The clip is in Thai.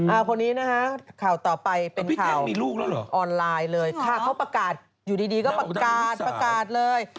อ่าคนนี้นะฮะข่าวต่อไปเป็นข่าวออนไลน์เลยค่ะเขาประกาศอยู่ดีก็ประกาศเลย